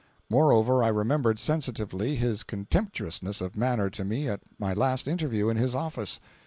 Moreover I remembered sensitively his contemptuousness of manner to me at my last interview in his office.